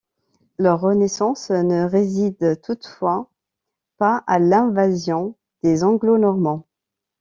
Leur renaissance ne résiste toutefois pas à l’invasion des Anglo-Normands.